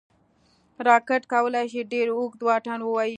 راکټ کولی شي ډېر اوږد واټن ووايي